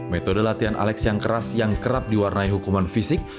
metode latihan alex yang keras yang kerap diwarnai hukuman fisik